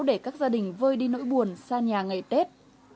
để các gia đình vơi đi nỗi buồn xa nhà ngày tết